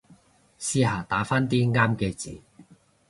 試下打返啲啱嘅字